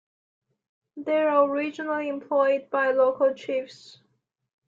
They were originally employed by local chiefs.